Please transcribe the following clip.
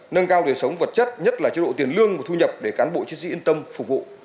nâng cao đời sống vật chất nhất là chế độ tiền lương và thu nhập để cán bộ chiến sĩ yên tâm phục vụ